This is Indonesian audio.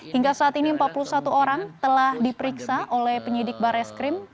hingga saat ini empat puluh satu orang telah diperiksa oleh penyidik badan reserse kriminal polri